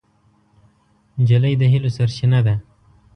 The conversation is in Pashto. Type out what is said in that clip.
نجلۍ د هیلو سرچینه ده.